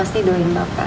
saya juga pak